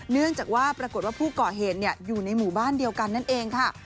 เนื่องจากว่าปรากฏว่าผู้ก่อเหตุอยู่ในหมู่บ้านเดียวกันนั่นเองค่ะ